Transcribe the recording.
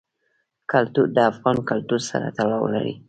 کلتور د افغان کلتور سره تړاو لري.